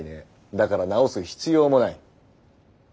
だから「治す」必要もない。